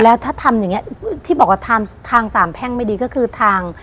แล้วถ้าทำอย่างเงี้ยที่บอกว่าทางสามแพ่งไม่ดีก็คือทาง